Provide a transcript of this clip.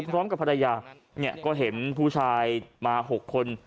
พร้อมกับภรรยาเนี่ยก็เห็นผู้ชายมา๖คน